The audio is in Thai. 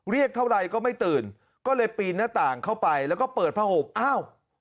เรียกเท่าไรก็ไม่ตื่นก็เลยปีนหน้าต่างเข้าไปแล้วก็เปิดผ้าห่มอ้าว